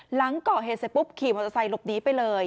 หลังก่อเหตุเสร็จปุ๊บขี่มอเตอร์ไซค์หลบหนีไปเลย